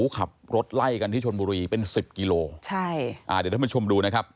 ขับรถไล่กันที่ชนบุรีเป็นสิบกิโลใช่อ่าเดี๋ยวท่านผู้ชมดูนะครับ